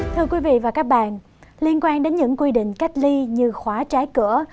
thưa quý vị và các bạn liên quan đến những quy định cách ly như khóa trái cửa